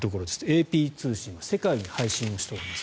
ＡＰ通信は世界に配信をしております。